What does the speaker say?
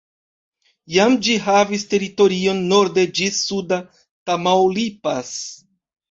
Iam ĝi havis teritorion norde ĝis suda Tamaulipas.